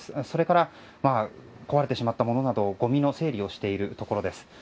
それから壊れてしまったものなどごみの整理をしているところです。